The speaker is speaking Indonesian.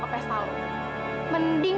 lu udah kelewatan